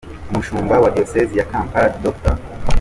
Umushumba wa Diyosezi ya Kampala Dr.